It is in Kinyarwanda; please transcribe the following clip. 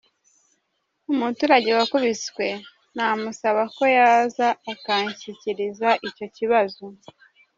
Umuturage wakubiswe namusaba ko yaza akanshyikiriza icyo kibazo.